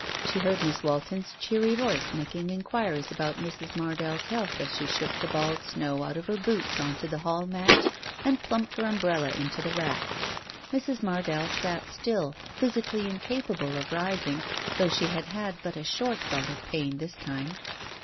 She heard Miss Walton's cheery voice making inquiries about Mrs. MardelPs Digitized by Google 58 TALES OF THE UNEASY health as she shook the balled snow out of her boots on to the hall mat, and plumped her umbrella into the rack. Mrs. Mardell sat still, physically incapable of rising , though she had had but a short bout of pain this time.